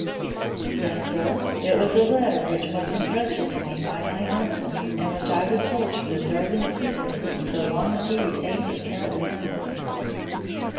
"Yes, sir, it was a letter which was entrusted to me by my uncle, and which I was told to preserve in secrecy so long as he retained his health and life."